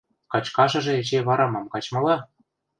Качкашыжы эче вара мам качмыла?